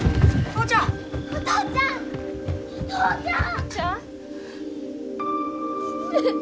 お父ちゃん！